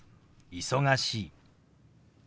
「忙しい」。